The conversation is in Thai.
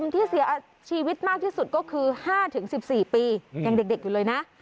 ที่เสียชีวิตมากที่สุดก็คือ๕๑๔ปียังเด็กอยู่เลยนะ